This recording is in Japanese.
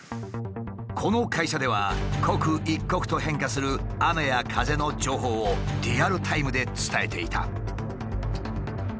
この会社では刻一刻と変化する雨や風の情報をリアルタイムで伝えていた。